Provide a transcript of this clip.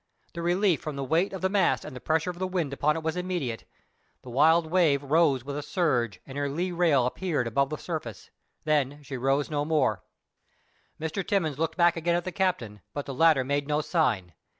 The relief from the weight of the mast and the pressure of the wind upon it was immediate; the Wild Wave rose with a surge and her lee rail appeared above the surface, then she rose no further. Mr. Timmins looked back again at the captain, but the latter made no sign.